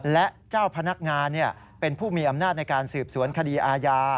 และเจ้าพนักงานเป็นผู้มีอำนาจในการสืบสวนคดีอาญา